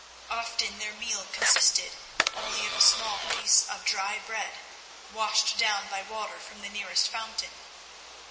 Often their meal consisted only of a small piece of dry bread, washed down by water from the nearest fountain.